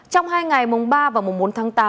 trong hai ngày mùng ba và mùng bốn tháng tám